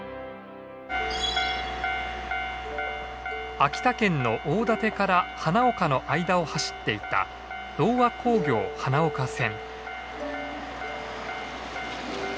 秋田県の大館から花岡の間を走っていた同和鉱業花岡線。